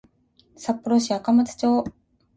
札幌市赤松町